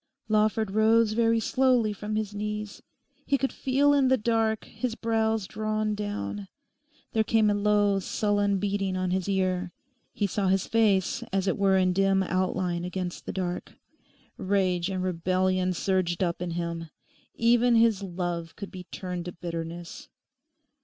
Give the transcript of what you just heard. Lawford rose very slowly from his knees. He could feel in the dark his brows drawn down; there came a low, sullen beating on his ear; he saw his face as it were in dim outline against the dark. Rage and rebellion surged up in him; even his love could be turned to bitterness.